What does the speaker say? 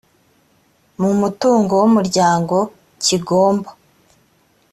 mu mutungo w umuryango kigomba